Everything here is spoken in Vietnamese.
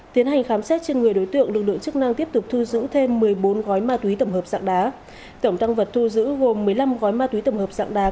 tiến hành khám xét trên người đối tượng lực lượng chức năng tiếp tục thu giữ thêm một mươi bốn gói ma túy tổng hợp dạng đá